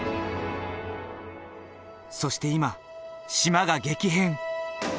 そして今島が激変！